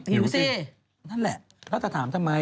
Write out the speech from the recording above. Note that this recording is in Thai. หิวสินั่นแหละแล้วเธอถามทำไม